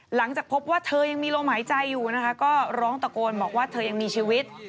หลังจากพบว่าเธอยังมีลมหายใจอยู่นะคะก็ร้องตะโกนบอกว่าเธอยังมีชีวิต